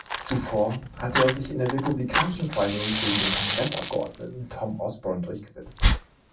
Zuvor hatte er sich in der republikanischen Primary gegen den Kongressabgeordneten Tom Osborne durchgesetzt.